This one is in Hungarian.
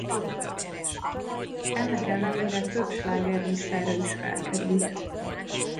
Ennek ellenére több slágerlistára is felkerült.